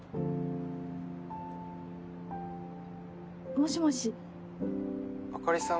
もしもし☎あかりさん